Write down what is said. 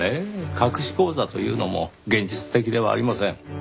隠し口座というのも現実的ではありません。